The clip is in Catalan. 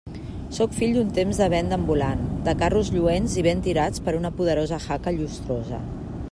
Sóc fill d'un temps de venda ambulant, de carros lluents i ben tirats per una poderosa haca llustrosa.